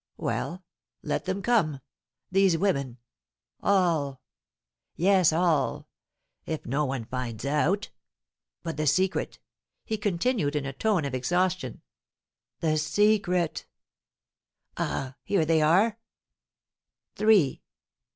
Well, let them come these women all! Yes, all if no one finds it out! But the secret!" he continued, in a tone of exhaustion, "the secret! Ah, here they are! Three!